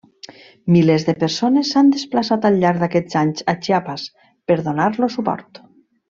Milers de persones s'han desplaçat al llarg d'aquests anys a Chiapas per donar-los suport.